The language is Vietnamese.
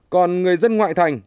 còn người dân ngoại thành